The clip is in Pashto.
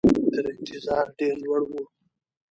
تر انتظار ډېر لوړ وو.